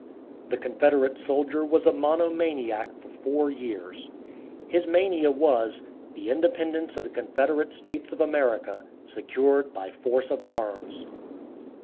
The Confederate soldier was a monomaniac for four years. His mania was, the independence of the Confederates States of America, secured by force of arms.